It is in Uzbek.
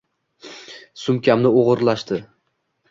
Sumkamni o’g’irlashdi.